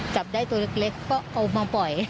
จับได้ตัวเล็กก็เอามาปล่อย